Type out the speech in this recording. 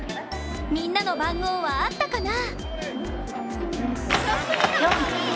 みんなの番号はあったかな？